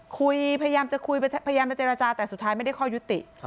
พยายามจะคุยพยายามจะเจรจาแต่สุดท้ายไม่ได้ข้อยุติ